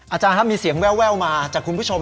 อาจารย์ครับมีเสียงแววมาจากคุณผู้ชม